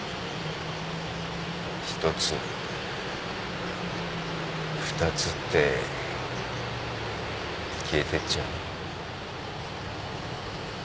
１つ２つって消えてっちゃう。